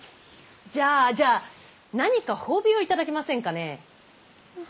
じゃあじゃあ何か褒美を頂けませんかねぇ。